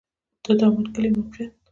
د دامن کلی موقعیت